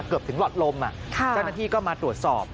เกือบถึงหลอดลมเจ้าหน้าที่ก็มาตรวจสอบ